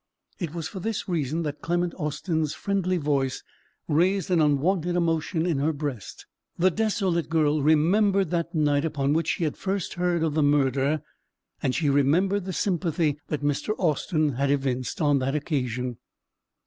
It was for this reason that Clement Austin's friendly voice raised an unwonted emotion in her breast. The desolate girl remembered that night upon which she had first heard of the murder, and she remembered the sympathy that Mr. Austin had evinced on that occasion.